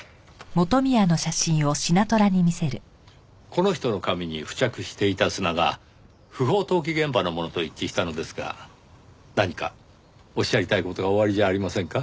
この人の髪に付着していた砂が不法投棄現場のものと一致したのですが何かおっしゃりたい事がおありじゃありませんか？